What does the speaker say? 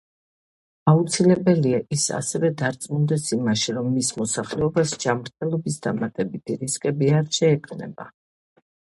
აუცილებელია, ის ასევე დარწმუნდეს იმაში, რომ მის მოსახლეობას ჯანმრთელობის დამატებითი რისკები არ შეექმნება.